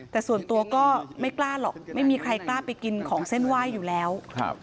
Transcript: แต่ส่วนตัวก็ไม่กล้าหรอกไม่มีใครกล้าไปกินของเส้นไหว้อยู่แล้ว